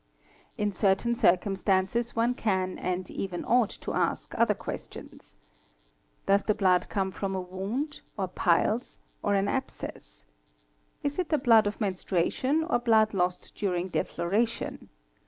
! In certain circumstances one can and even ought to ask other ques tions. Does the blood come from a wound, or piles, or an abcess? Is it the blood of menstruation or blood lost during defloration?